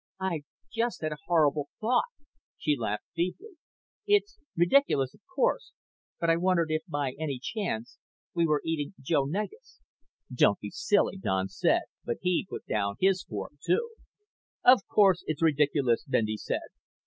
"I just had a horrible thought." She laughed feebly. "It's ridiculous, of course, but I wondered if by any chance we were eating Joe Negus." "Don't be silly," Don said, but he put down his fork too. "Of course it's ridiculous," Bendy said.